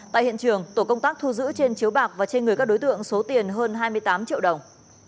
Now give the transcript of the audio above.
tại hiện trường tổ công tác thu giữ trên chiếu bạc và trên người các đối tượng số tiền hơn hai mươi tám triệu đồng